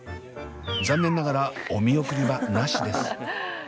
残念ながらお見送りはなしです。